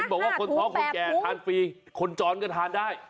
บอกว่าคนท้องคนแก่ทานฟรีคนจรก็ทานได้